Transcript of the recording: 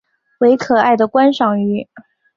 为可爱的观赏鱼。